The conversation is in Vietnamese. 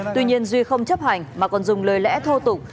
tuy nhiên duy không chấp hành mà còn dùng lời lẽ thô tục